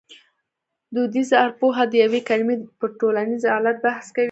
دودیزه ارپوهه د یوې کلمې پر ټولنیز علت بحث کوي